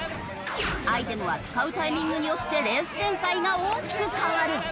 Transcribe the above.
アイテムは使うタイミングによってレース展開が大きく変わる。